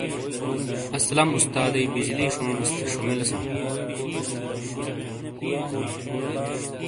اسلم استادیئی بجلی شونیس تھے شومیلیساں۔